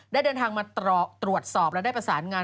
ได้เดินทางมาตรวจสอบและได้ประสานงาน